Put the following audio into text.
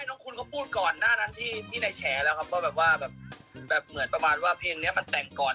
โน้งคลุนก็พูดกดหน้านั้นที่ในแชร์แล้วว่าเหมือนประมาณว่าเพลงเนี่ยมันแต่งก่อน